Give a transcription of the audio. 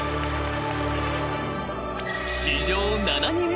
［史上７人目。